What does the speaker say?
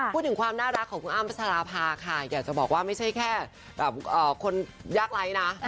พูดถึงความน่ารักของคุณอ้ำพัชราภาค่ะอยากจะบอกว่าไม่ใช่แค่คนยากไร้นะ